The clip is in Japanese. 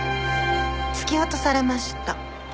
突き落とされました。